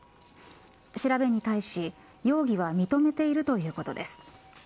調べに対し容疑は認めているということです。